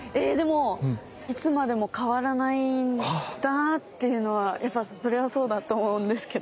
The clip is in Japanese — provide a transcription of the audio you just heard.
いつまでも変わらないなっていうのはやっぱりそれはそうだと思うんですけど。